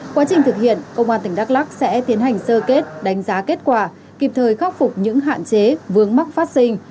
quá trình thực hiện công an tỉnh đắk lắc sẽ tiến hành sơ kết đánh giá kết quả kịp thời khắc phục những hạn chế vướng mắc phát sinh